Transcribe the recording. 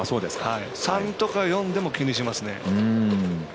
３とか４でも気にしますね。